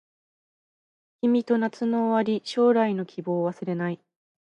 君と夏の終わり将来の希望忘れない